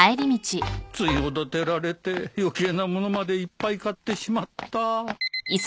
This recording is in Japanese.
ついおだてられて余計なものまでいっぱい買ってしまった。